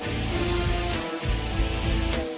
สวัสดีครับ